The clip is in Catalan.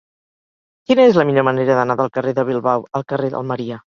Quina és la millor manera d'anar del carrer de Bilbao al carrer d'Almeria?